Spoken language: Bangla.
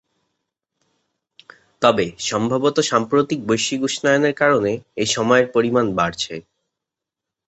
তবে সম্ভবত সাম্প্রতিক বৈশ্বিক উষ্ণায়নের কারণে এই সময়ের পরিমাণ বাড়ছে।